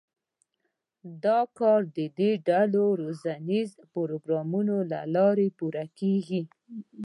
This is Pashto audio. دا کار د ډلو روزنیزو پروګرامونو له لارې پوره کېږي.